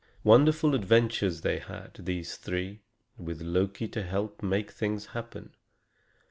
Wonderful adventures they had, these three, with Loki to help make things happen.